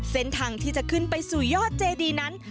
เส้นทางที่จะขึ้นไปสู่ยอดเจดีนั้น